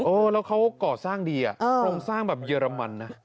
แล้วเขาก่อสร้างดีโครงสร้างแบบเยอรมันนะ